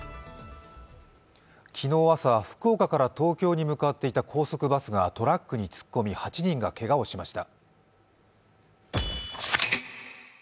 昨日朝福岡から東京に向かっていた高速バスがトラックに突っ込み８人がけがをしました。